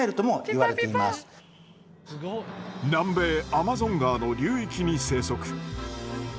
南米アマゾン川の流域に生息。